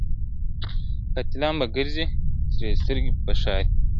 قاتلان به گرځي سرې سترگي په ښار كي !.